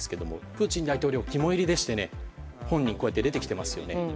プーチン大統領肝煎りでして本人、こうやって出てきていますよね。